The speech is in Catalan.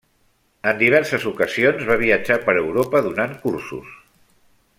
En diverses ocasions va viatjar per Europa donant cursos.